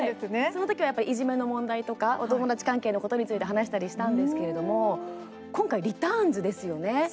そのときはやっぱりいじめの問題とかお友達関係のことについて話したりしたんですけれども今回リターンズですよね。